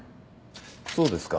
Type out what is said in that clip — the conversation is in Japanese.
そうですか。